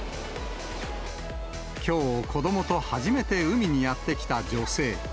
きょう、子どもと初めて海にやって来た女性。